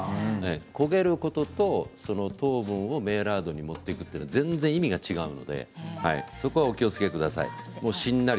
焦げることと糖分をメイラードに持っていくというのは全然意味が違うのでそこはお気をつけください。